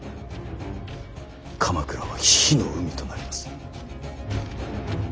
鎌倉は火の海となります。